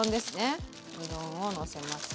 うどんをのせます。